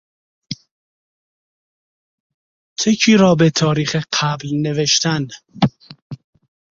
چکی را به تاریخ قبل نوشتن